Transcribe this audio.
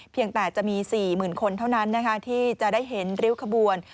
เพียงแต่จะมี๔๐๐๐คนเท่านั้นที่จะได้เห็นริ้วขบวน